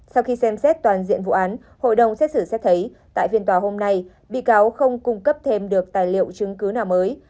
sau khi xem xét toàn diện vụ án hội đồng xét xử xét thấy tại phiên tòa hôm nay bị cáo không cung cấp thêm được tài liệu chứng cứ nào mới